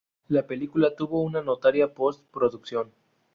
La película tuvo una notoria post-producción.